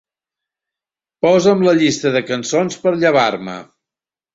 Posa'm la llista de cançons per llevar-me.